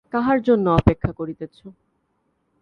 কাহার জন্য অপেক্ষা করিতেছ।